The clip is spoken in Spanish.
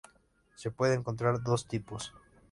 Se pueden encontrar dos tipos.